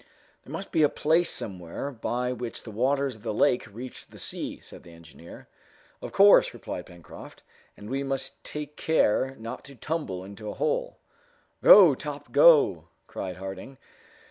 "There must be a place somewhere, by which the waters of the lake reached the sea," said the engineer. "Of course," replied Pencroft, "and we must take care not to tumble into a hole." "Go, Top, go!" cried Harding.